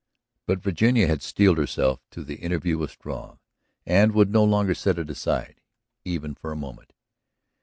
But Virginia had steeled herself to the interview with Struve and would no longer set it aside, even for a moment.